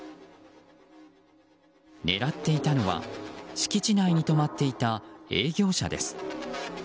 狙っていたのは敷地内に止まっていた営業車です。